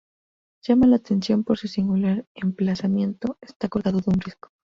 Llama la atención por su singular emplazamiento: está colgado de un risco.